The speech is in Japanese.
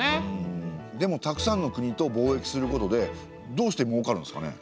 でもたくさんの国と貿易することでどうしてもうかるんですかね。